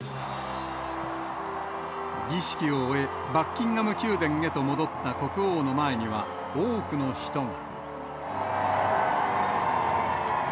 儀式を終え、バッキンガム宮殿へと戻った国王の前には、多くの人が。